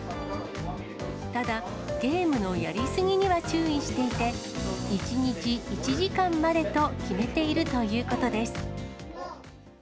ただ、ゲームのやりすぎには注意していて、１日１時間までと決めているということです。